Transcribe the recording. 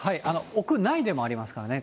屋内でもありますからね。